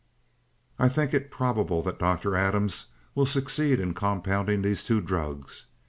"'I think it probable that Dr. Adams will succeed in compounding these two drugs.